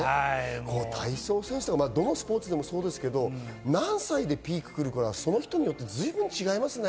どのスポーツでもそうですけど、何歳でピークが来るか、その人によって随分違いますね。